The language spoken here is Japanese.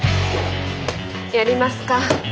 やりますか。